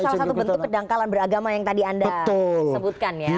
salah satu bentuk kedangkalan beragama yang tadi anda sebutkan ya